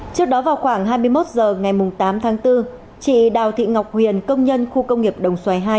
trước đó vào khoảng hai mươi một h ngày tám tháng bốn chị đào thị ngọc huyền công nhân khu công nghiệp đồng xoài hai